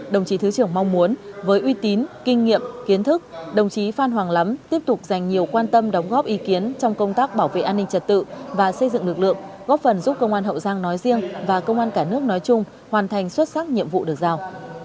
đồng chí thứ trưởng mong muốn với uy tín kinh nghiệm kiến thức đồng chí phan hoàng lắm tiếp tục dành nhiều quan tâm đóng góp ý kiến trong công tác bảo vệ an ninh trật tự và xây dựng lực lượng góp phần giúp công an hậu giang nói riêng và công an cả nước nói chung hoàn thành xuất sắc nhiệm vụ được giao